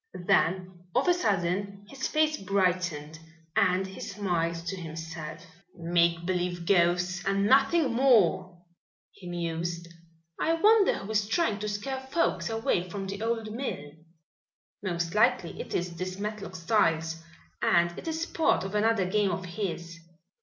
Then of a sudden his face brightened and he smiled to himself. "Make believe ghosts and nothing more," he mused. "I wonder who is trying to scare folks away from the old mill? Most likely it is this Matlock Styles and it is part of another game of his.